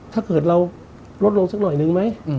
ถ้าเกิดเราลดลงสักหน่อยนึงไหม